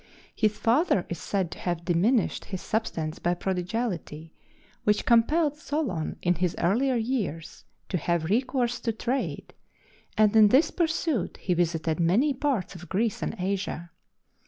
His father is said to have diminished his substance by prodigality, which compelled Solon in his earlier years to have recourse to trade, and in this pursuit he visited many parts of Greece and Asia.